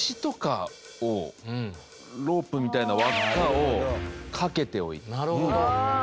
ロープみたいな輪っかを掛けておいて。